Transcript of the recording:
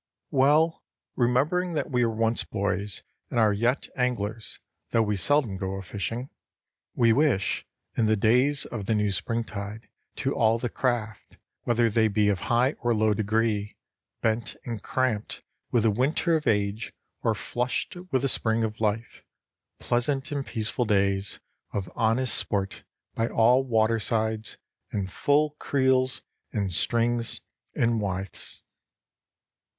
Well, remembering that we were once boys and are yet anglers, though we seldom go a fishing, we wish, in the days of the new springtide, to all the craft, whether they be of high or low degree, bent and cramped with the winter of age or flushed with the spring of life, pleasant and peaceful days of honest sport by all watersides, and full creels and strings and wythes.